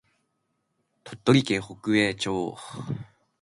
鳥取県北栄町